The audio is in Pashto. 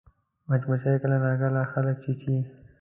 مچمچۍ کله ناکله خلک چیچي